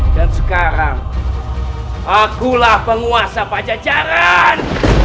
sekarang akulah penguasa pajajaran